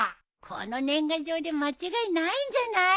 この年賀状で間違いないんじゃない？